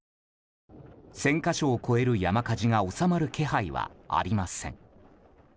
１０００か所を超える山火事が収まる気配はありません。